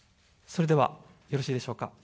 それでは、よろしいでしょうか。